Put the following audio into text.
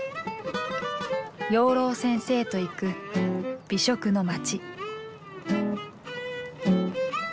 養老先生と行く美食の街。